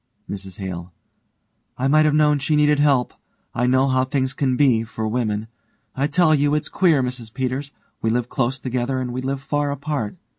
MRS HALE: I might have known she needed help! I know how things can be for women. I tell you, it's queer, Mrs Peters. We live close together and we live far apart.